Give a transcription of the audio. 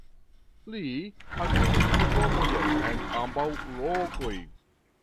Li akiris diplomojn en ambaŭ lokoj.